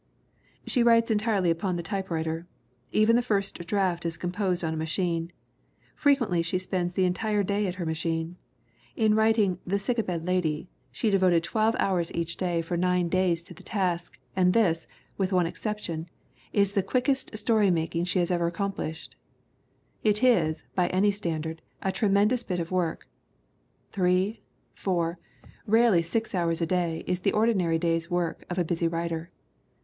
She writes entirely upon the typewriter. Even the first draft is composed on a machine. Frequently she spends the entire day at her machine. In writing The Sick a Bed Lady she devoted twelve hours each day ELEANOR HALLOWELL ABBOTT 329 for nine days to the task and this, with one exception, is the quickest story making she has ever accom plished. It is, by any standard, a tremendous bit of work. Three, four, rarely six hours a day is the ordi nary day's work of a busy writer.